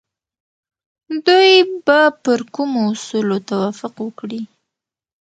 دوی به پر کومو اصولو توافق وکړي؟